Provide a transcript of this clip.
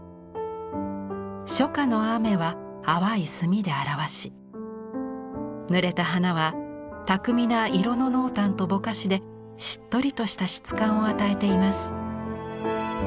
初夏の雨は淡い墨で表しぬれた花は巧みな色の濃淡とぼかしでしっとりとした質感を与えています。